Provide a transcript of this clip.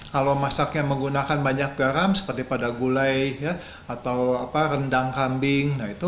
kalau masaknya menggunakan banyak garam seperti pada gulai atau rendang kambing